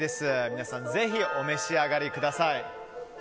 皆さん、ぜひお召し上がりください。